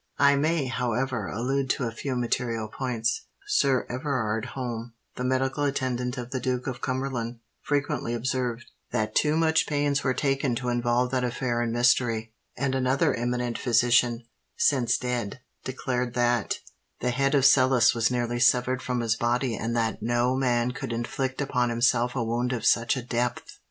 I may, however, allude to a few material points. Sir Everard Home, the medical attendant of the Duke of Cumberland, frequently observed, 'that too much pains were taken to involve that affair in mystery;' and another eminent physician, since dead, declared that 'the head of Sellis was nearly severed from his body, and that no man could inflict upon himself a wound of such a depth.'